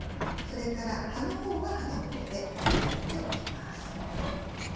それから葉のほうは葉のほうで分けておきます。